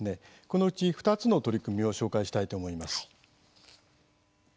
このうち２つの取り組みを紹介したいと思います。